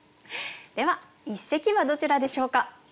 では一席はどちらでしょうか。